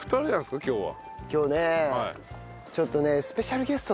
今日ねちょっとね出た！